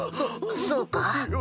そそうか。